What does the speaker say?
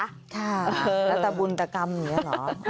ค่ะแล้วแต่บุญตกรรมอย่างนี้เหรอ